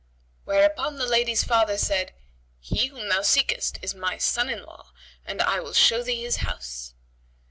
Whereupon the lady's father said, "He whom thou seekest is my son in law and I will show thee his house."